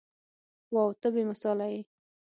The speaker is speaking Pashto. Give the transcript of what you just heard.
واو ته بې مثاله يې.